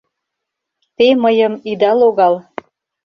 — Те мыйым ида логал.